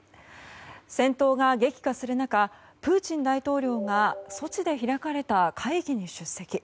戦闘が激化する中プーチン大統領がソチで開かれた会議に出席。